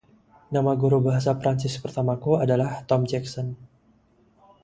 Nama guru bahasa Prancis pertamaku adalah Tom Jackson.